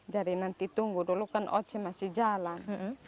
jadi nanti tunggu dulu kan ocho masih jalan